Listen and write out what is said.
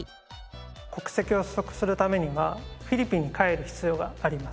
国籍を取得するためにはフィリピンに帰る必要があります。